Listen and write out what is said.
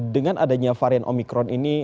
dengan adanya varian omikron ini